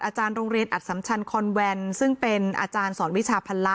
อาจารย์โรงเรียนอัดสัมชันคอนแวนซึ่งเป็นอาจารย์สอนวิชาพันละ